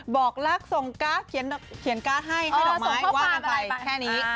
บอกรักส่งการ์ดเขียนการ์ดให้ให้ดอกไม้ว่ากันไปแค่นี้